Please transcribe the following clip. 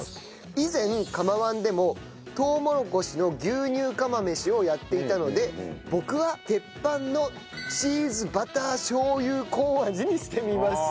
以前釜−１でもとうもろこしの牛乳釜飯をやっていたので僕はテッパンのチーズ・バター・しょう油・コーン味にしてみました。